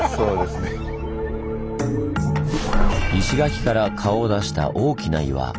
石垣から顔を出した大きな岩。